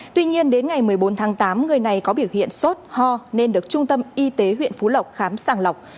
tuy nhiên đến ngày một mươi bốn tháng tám người này có biểu hiện sốt ho nên được trung tâm y tế huyện phú lộc khám sàng lọc